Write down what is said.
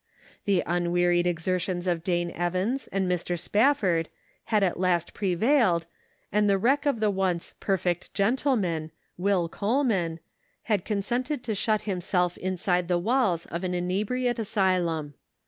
The Tin wearied exertions of Dane Evans and Mr. Spafford had at last prevailed, and the wreck of the once "perfect gentleman," Will Coleman, had consented to shut himself inside the walls of an inebriate asylum.